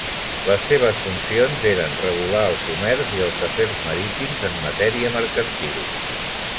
Les seves funcions eren regular el comerç i els afers marítims en matèria mercantil.